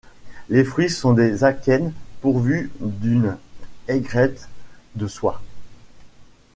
Les fruits sont des akènes pourvus d'une aigrette de soie.